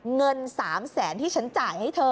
เงิน๓แสนที่ฉันจ่ายให้เธอ